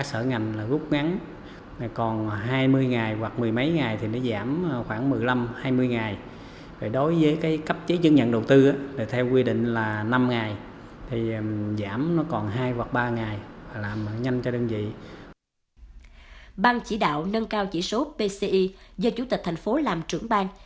chính quyền thành phố cần thơ đã thực hiện nâng cao chỉ số pci do chủ tịch thành phố làm trưởng bang